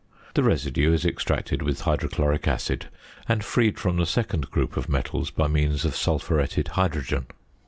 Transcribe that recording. The residue is extracted with hydrochloric acid and freed from the second group of metals by means of sulphuretted hydrogen.